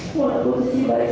mulai dari posisi baik